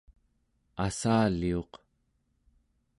assaliuq